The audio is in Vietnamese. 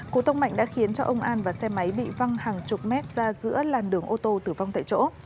cú tông mạnh đã khiến ông an và xe máy bị văng hàng chục mét ra giữa làn đường ô tô tử vong tại chỗ